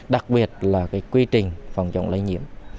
đặc biệt là quy trình phòng chống lây nhiễm